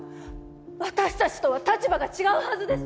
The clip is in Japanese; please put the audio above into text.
私たちとは立場が違うはずです。